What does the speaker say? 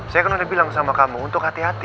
saya kan udah bilang sama kamu untuk hati hati